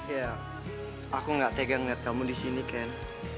ya aku nggak tega ngeliat kamu di sini ken